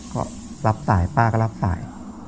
ก็รับสายป้าก็รับสาย